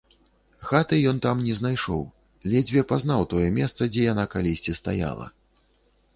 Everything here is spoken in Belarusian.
Хаты ён там не знайшоў, ледзьве пазнаў тое месца, дзе яна калісьці стаяла.